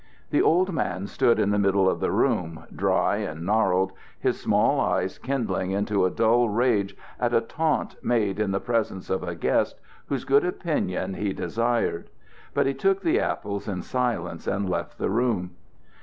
The old man stood in the middle of the room, dry and gnarled, his small eyes kindling into a dull rage at a taunt made in the presence of a guest whose good opinion he desired. But he took the apples in silence and left the room.